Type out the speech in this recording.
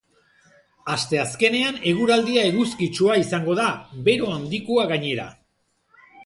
Asteazkenean eguraldia eguzkitsua izango da, bero handikoa gainera.